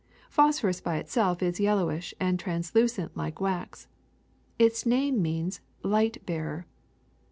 Phos phorus by itself is yellowish and translucent like wax. Its name means light bearer.